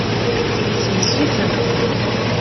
Sens-iten.